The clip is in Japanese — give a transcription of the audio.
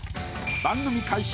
番組開始